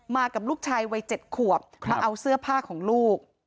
กับลูกชายวัย๗ขวบมาเอาเสื้อผ้าของลูก